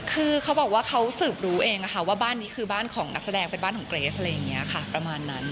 คือเขาบอกว่าเขาสืบรู้เองว่าบ้านนี้คือบ้านของนักแสดงเป็นบ้านของเกรสอะไรอย่างนี้ค่ะประมาณนั้น